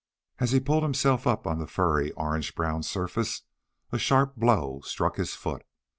As he pulled himself up on the furry, orange brown surface, a sharp blow struck his foot.